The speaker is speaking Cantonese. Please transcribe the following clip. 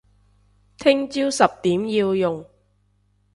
聽朝十點要用